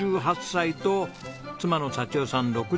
６８歳と妻の幸代さん